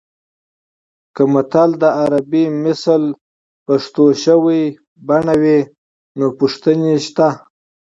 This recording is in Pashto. که متل د عربي مثل پښتو شوې بڼه وي نو پوښتنې شته